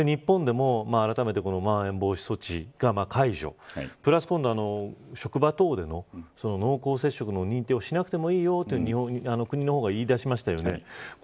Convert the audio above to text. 日本でもあらためてまん延防止措置の解除プラス、今度は職場等での濃厚接触の認定をしなくてもいいよと国の方が言いだしましたよね。